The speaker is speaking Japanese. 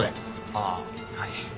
ああはい。